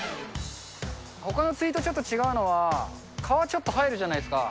ほかの釣りとちょっと違うのは、川ちょっと入るじゃないですか。